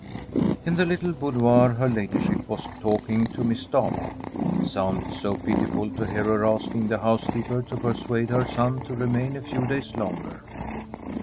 In the little boudoir her ladyship was talking to Miss Stafva. It sounded so pitiful to hear her asking the housekeeper to persuade her son to remain a few days longer.